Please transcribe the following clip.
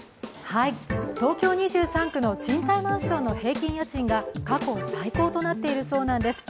東京２３区の賃貸マンションの平均家賃が過去最高となっているそうなんです。